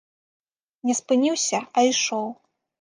Не спыніўся, а ішоў.